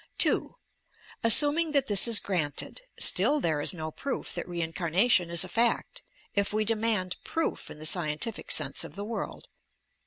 2. Assuming that this is granted, still there is no proof that reincarnation is a fact, if we demand "proof" in the scientific sense of the world.